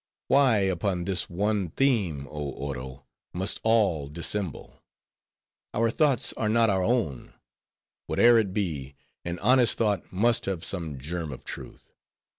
Why, upon this one theme, oh Oro! must all dissemble? Our thoughts are not our own. Whate'er it be, an honest thought must have some germ of truth.